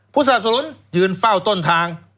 สนับสนุนยืนเฝ้าต้นทาง